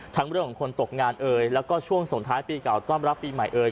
เรื่องของคนตกงานเอ่ยแล้วก็ช่วงส่งท้ายปีเก่าต้อนรับปีใหม่เอ่ย